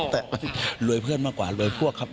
แต่รวยเพื่อนมากกว่ารวยพวกครับ